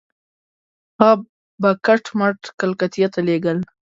هغه به کټ مټ کلکتې ته لېږل.